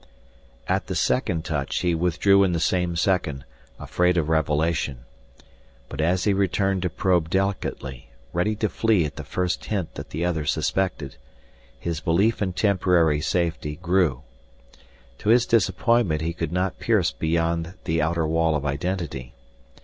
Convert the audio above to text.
At the second touch he withdrew in the same second, afraid of revelation. But as he returned to probe delicately, ready to flee at the first hint that the other suspected, his belief in temporary safety grew. To his disappointment he could not pierce beyond the outer wall of identity.